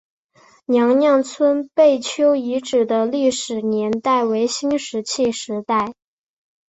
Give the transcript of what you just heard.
娘娘村贝丘遗址的历史年代为新石器时代。